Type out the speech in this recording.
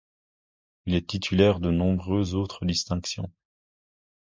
Il est titulaire de nombreuses autres distinctions.